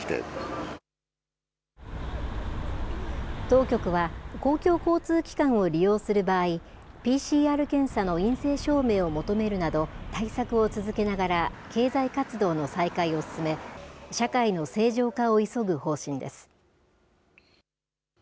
当局は、公共交通機関を利用する場合、ＰＣＲ検査の陰性証明を求めるなど、対策を続けながら、経済活動の再開を進め、社会の正常化を急ぐ方針です。